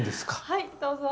はいどうぞ。